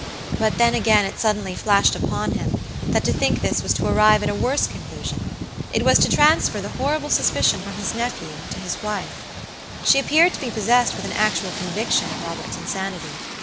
But then, again, it suddenly flashed upon him, that to think this was to arrive at a worse conclusion; it was to transfer the horrible suspicion from his nephew to his wife. She appeared to be possessed with an actual conviction of Robert's insanity.